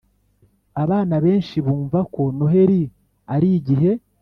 Abana benshi bumva ko Noheli ari igihe